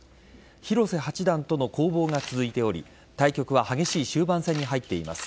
広瀬八段との攻防が続いており対局は激しい終盤戦に入っています。